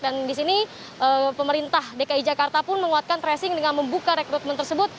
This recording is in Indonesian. dan disini pemerintah dki jakarta pun menguatkan tracing dengan membuka rekrutmen tersebut